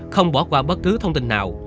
không bỏ qua bất cứ thông tin nào